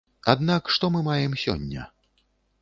Аднак што мы маем сёння?